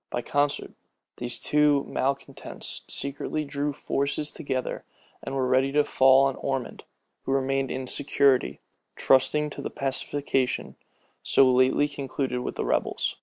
By concert, these two malecontents secretly drew forces together, and were ready to fall on Ormond, who remained in security, trusting to the pacification so lately concluded with the rebels.